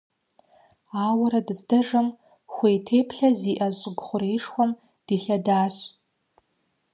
Ауэрэ дыздэжэм, хуей теплъэ зиIэ щIыгу хъуреишхуэм дилъэдащ.